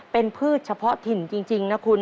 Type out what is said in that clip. เป็นพืชเฉพาะถิ่นจริงนะคุณ